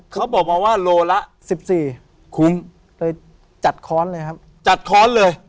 เขาบอกมาว่าโลละ๑๔คุ้มเลยจัดค้อนเลยครับจัดค้อนเลย